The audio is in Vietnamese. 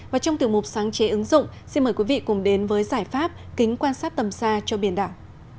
và trong tiểu mục sáng chế ứng dụng xin mời quý vị cùng đến với giải pháp kính quan sát tầm xa cho biển đảo